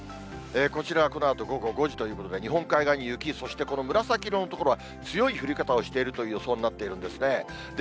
こちらはこのあと午後５時ということで、日本海側に雪、そしてこの紫色の所は、強い降り方をしているという予想になっているんですね。